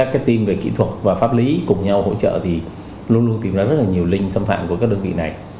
các team về kỹ thuật và pháp lý cùng nhau hỗ trợ thì luôn luôn tìm ra rất nhiều link xâm phạm của các đơn vị này